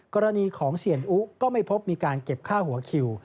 กรณีของเสียนอุก็ไม่พบมีการเก็บค่าหัวคิว